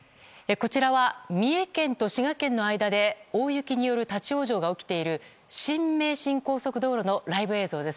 こちらは三重県と滋賀県の間で大雪による立ち往生が起きている新名神高速道路のライブ映像です。